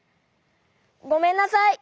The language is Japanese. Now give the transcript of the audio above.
ごめんなさい。